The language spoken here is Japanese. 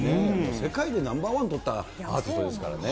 世界でナンバー１取ったアーティストですからね。